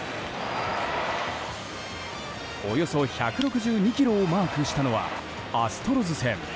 およそ１６２キロをマークしたのはアストロズ戦。